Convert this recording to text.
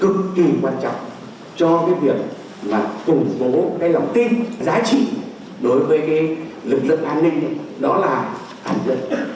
cực kỳ quan trọng cho cái việc mà củng cố cái lòng tin giá trị đối với cái lực lượng an ninh đó là an dân